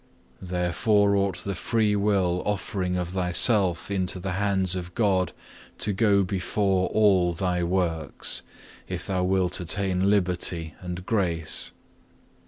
Therefore ought the freewill offering of thyself into the hands of God to go before all thy works, if thou wilt attain liberty and grace.